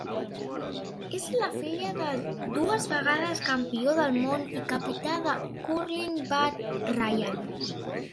És la filla del dues vegades campió del mon i capità de cúrling Pat Ryan.